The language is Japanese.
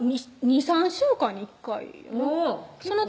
２３週間に１回やな？